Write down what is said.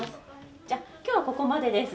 じゃ今日はここまでです。